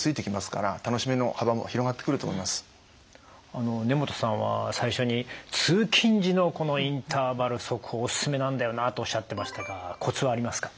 あの根本さんは最初に「通勤時のこのインターバル速歩おすすめなんだよな」とおっしゃってましたがコツはありますか？